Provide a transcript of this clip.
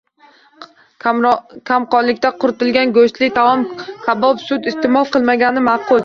Kamqonlikda qovurilgan go‘shtli taomlar, kabob, sut iste’mol qilinmagani ma’qul.